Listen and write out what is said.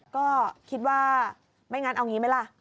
ก็คิดว่าไม่งั้นเอางี้ไหมล่ะ